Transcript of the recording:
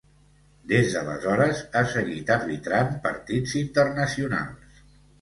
Des d'aleshores, ha seguit arbitrant partits internacionals.